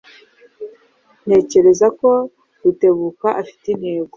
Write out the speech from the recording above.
Ntekereza ko Rutebuka afite intego.